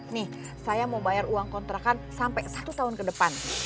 nih saya mau bayar uang kontrakan sampai satu tahun ke depan